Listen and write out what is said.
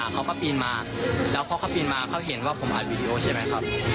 เขาก็ปีนมาแล้วพอเขาปีนมาเขาเห็นว่าผมอัดวีดีโอใช่ไหมครับ